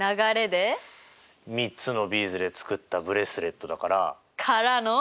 ３つのビーズで作ったブレスレットだから。からの？